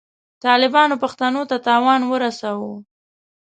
طالبانو پښتنو ته تاوان ورساوه.